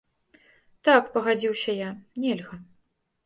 Так, пагадзіўся я, нельга.